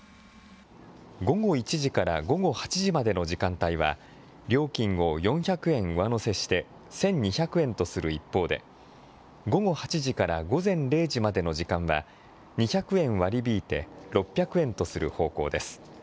午後１時から午後８時までの時間帯は、料金を４００円上乗せして１２００円とする一方で、午後８時から午前０時までの時間は、２００円割り引いて６００円とする方向です。